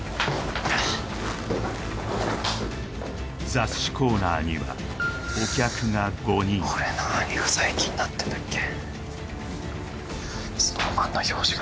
雑誌コーナーにはお客が５人俺何が最近なってんだっけ？